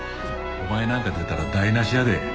お前なんか出たら台無しやで。